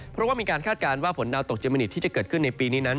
เพราะว่ามีการคาดการณ์ว่าฝนดาวตกเมนิตที่จะเกิดขึ้นในปีนี้นั้น